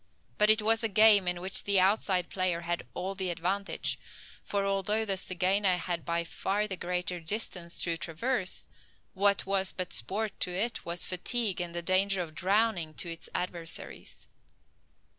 But it was a game in which the outside player had all the advantage; for, although the zygaena had by far the greater distance to traverse, what was but sport to it was fatigue and the danger of drowning to its adversaries.